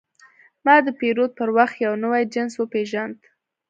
ما د پیرود پر وخت یو نوی جنس وپېژاند.